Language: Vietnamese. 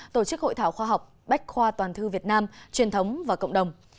tổ chức hội thảo khoa học bách khoa toàn thư việt nam truyền thống và cộng đồng